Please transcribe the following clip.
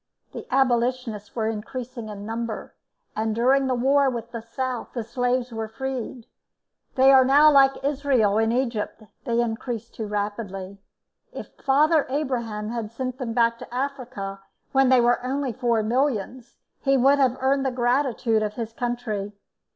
The abolitionists were increasing in number, and during the war with the South the slaves were freed. They are now like Israel in Egypt, they increase too rapidly. If father Abraham had sent them back to Africa when they were only four millions, he would have earned the gratitude of his country.